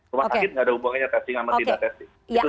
rumah sakit tidak ada hubungannya testing sama tidak testing